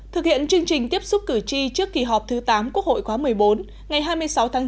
thực hiện chương trình tiếp xúc cử tri trước kỳ họp thứ tám quốc hội khóa một mươi bốn ngày hai mươi sáu tháng chín